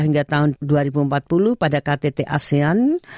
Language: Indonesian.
hingga tahun dua ribu empat puluh pada ktt asean